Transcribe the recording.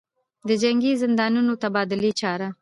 دجنګي زندانیانودتبادلې چاره